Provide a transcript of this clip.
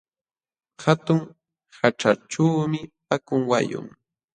Hatun haćhachuumi pakay wayun.